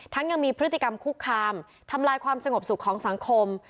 ยังมีพฤติกรรมคุกคามทำลายความสงบสุขของสังคม